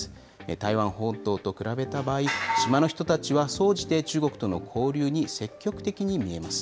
台湾本島と比べた場合、島の人たちは総じて中国との交流に積極的に見えます。